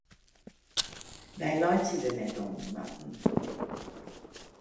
Wy laitsje der net om, Marten.